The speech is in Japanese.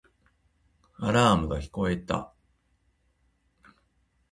アラームが聞こえた